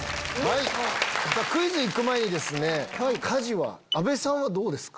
クイズ行く前に家事はあべさんはどうですか？